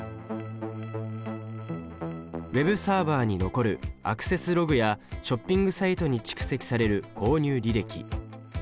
Ｗｅｂサーバに残るアクセスログやショッピングサイトに蓄積される購入履歴。